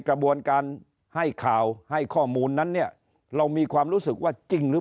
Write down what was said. กระบวนการให้ข่าวให้ข้อมูลนั้นเนี่ยเรามีความรู้สึกว่าจริงหรือ